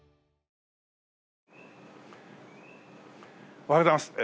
おはようございます。